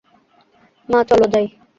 মা, চলো যাই।